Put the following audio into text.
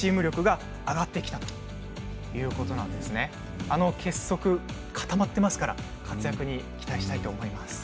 結束、固まってますから活躍に期待したいと思います。